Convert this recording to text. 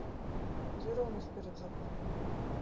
Дзе роўнасць перад законам?